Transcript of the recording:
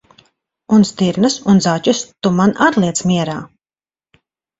Un stirnas un zaķus tu man ar liec mierā!